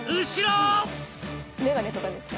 眼鏡とかですか？